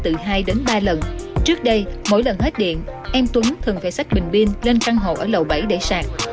trước đây mỗi lần hết điện em tuấn thường phải sạch bình pin lên căn hộ ở lầu bảy để sạc